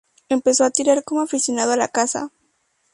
Empezó a tirar como aficionado a la caza.